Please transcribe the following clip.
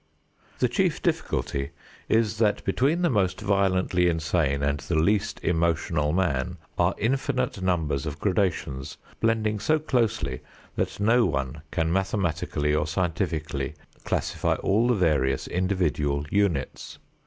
The chief difficulty is that between the most violently insane and the least emotional man are infinite numbers of gradations blending so closely that no one can mathematically or scientifically classify all the various individual units.